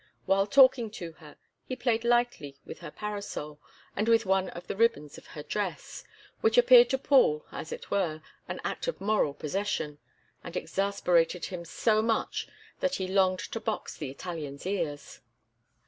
While talking to her, he played lightly with her parasol and with one of the ribbons of her dress, which appeared to Paul, as it were, an act of moral possession, and exasperated him so much that he longed to box the Italian's ears.